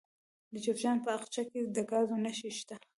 د جوزجان په اقچه کې د ګازو نښې شته.